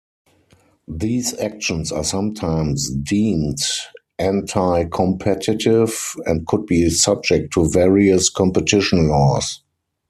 These actions are sometimes deemed anti-competitive and could be subject to various competition laws.